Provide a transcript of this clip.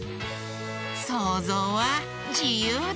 そうぞうはじゆうだ！